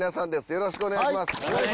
よろしくお願いします。